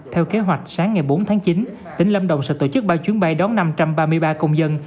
theo kế hoạch sáng ngày bốn tháng chín tỉnh lâm đồng sẽ tổ chức ba chuyến bay đón năm trăm ba mươi ba công dân